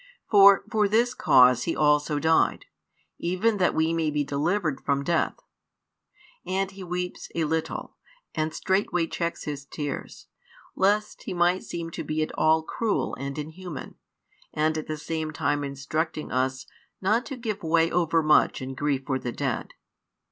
For for this cause He also died, even that we may be delivered from death. And He weeps a little, and straightway checks His tears; lest He might seem to be at all cruel and inhuman, and at the same time instructing us not to give way overmuch in grief for the dead.